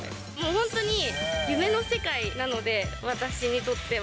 本当に夢の世界なので、私にとっては。